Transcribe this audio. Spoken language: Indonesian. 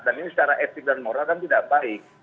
dan ini secara etik dan moral kan tidak baik